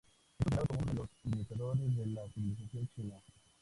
Es considerado como uno de los iniciadores de la civilización china.